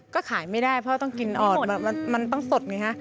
ก็ขายไม่ได้เพราะต้องกินอ่อนมันต้องสดไงฮะ